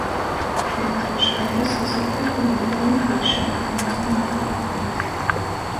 Itū šaļti sasateiku ar divejim puišim i nazynu ar kuru palikt...